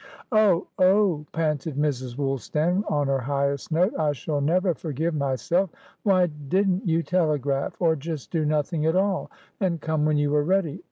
"Oh! Oh!" panted Mrs. Woolstan, on her highest note, "I shall never forgive myself! Why didn't you telegraphor just do nothing at all, and come when you were ready?